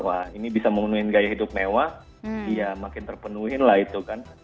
wah ini bisa memenuhi gaya hidup mewah ya makin terpenuhi lah itu kan